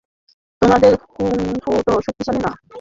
তোমাদের কুংফু অত শক্তিশালী না।